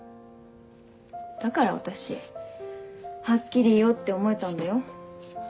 だから私はっきり言おうって思えたんだよ。